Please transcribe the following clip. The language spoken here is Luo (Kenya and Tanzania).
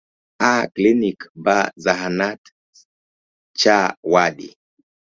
A. klinik B. zahanat C. wadi